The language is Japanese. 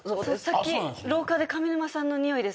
さっき廊下で「上沼さんのにおいですこれ」